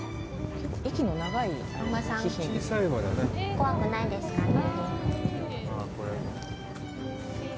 怖くないですかね。